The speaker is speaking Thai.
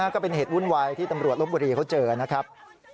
ก็เป็นเหตุวุ่นวายที่ตำรวจลบบุรีเขาเจอนะครับ